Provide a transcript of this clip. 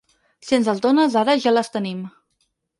Si ens els dones ara ja les tenim.